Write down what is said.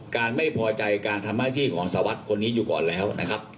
การไม่พอใจการทำหน้าที่ของสวัสดิ์คนนี้อยู่ก่อนแล้วนะครับ